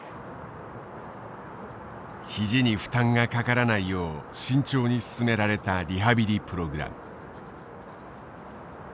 肘に負担がかからないよう慎重に進められたリハビリプログラム。